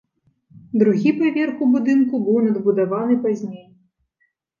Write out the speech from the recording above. Другі паверх у будынку быў надбудаваны пазней.